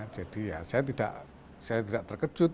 jadi ya saya tidak terkejut